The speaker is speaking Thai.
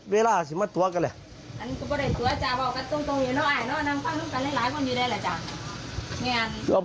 เวลาสิมาตรวจกันแหละ